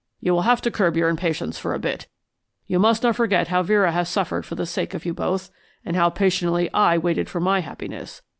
"You will have to curb your impatience for a bit; you must not forget how Vera has suffered for the sake of you both, and how patiently I waited for my happiness.